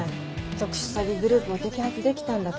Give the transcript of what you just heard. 特殊詐欺グループを摘発できたんだから。